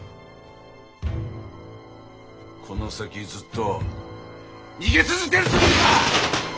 この先ずっと逃げ続けるつもりか！